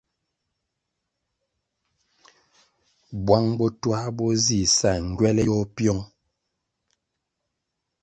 Buang botuah bo zi sa ngywele yôh piong.